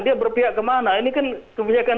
dia berpihak kemana ini kan kebijakan